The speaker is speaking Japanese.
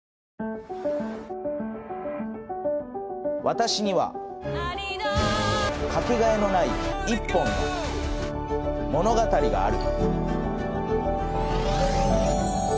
私にはかけがえのない一本の物語がある